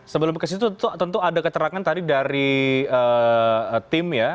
sebelum ke situ tentu ada keterangan tadi dari tim ya